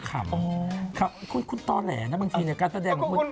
คุณต่อแหลมันบางทีการแสดงกับคน